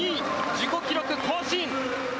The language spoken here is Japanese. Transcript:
自己記録更新。